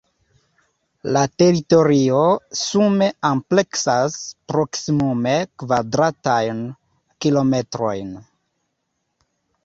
La teritorio sume ampleksas proksimume kvadratajn kilometrojn.